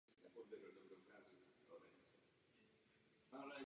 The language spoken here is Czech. Později se stal ředitelem Ústavu ocelových a dřevěných konstrukcí.